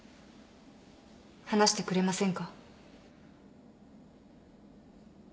話してくれませんか。